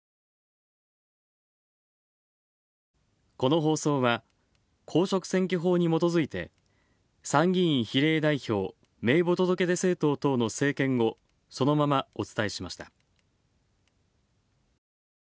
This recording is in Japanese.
この放送は、公職選挙法にもとづいて参議院比例代表名簿届出政党等の政見をそのままお伝えしました。